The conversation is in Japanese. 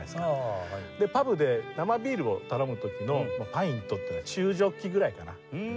パブで生ビールを頼む時の「ｐｉｎｔ」っていうのは中ジョッキぐらいかな。